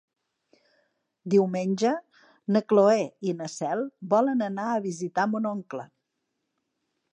Diumenge na Cloè i na Cel volen anar a visitar mon oncle.